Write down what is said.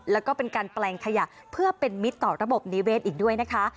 แล้วก็เป็นการแปลงขยะเพื่อเป็นมิตรต่อระบบนิเวศอีกด้วยนะคะ